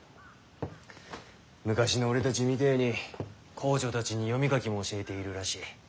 昔の俺たちみてぇに工女たちに読み書きも教えているらしい。